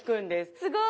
すごい！